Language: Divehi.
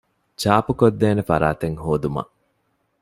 ޗާޕުކޮށްދޭނެ ފަރާތެއް ހޯދުމަށް